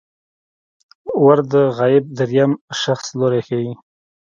ور د غایب دریم شخص لوری ښيي.